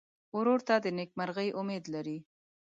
ورور ته د نېکمرغۍ امید لرې.